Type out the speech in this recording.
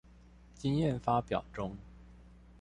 經驗發表中